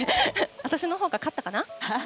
私のほうが勝ったかな？